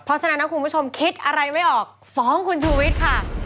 เพราะฉะนั้นนะคุณผู้ชมคิดอะไรไม่ออกฟ้องคุณชูวิทย์ค่ะ